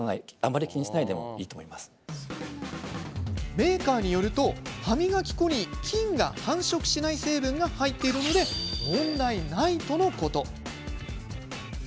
メーカーによると歯磨き粉に菌が繁殖しない成分が入っているので問題ないとのこと。